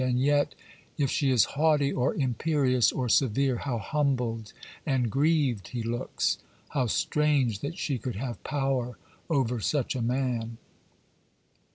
And yet, if she is haughty, or imperious, or severe, how humbled and grieved he looks! How strange that she could have power over such a man!